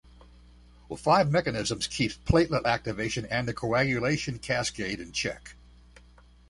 Five mechanisms keep platelet activation and the coagulation cascade in check.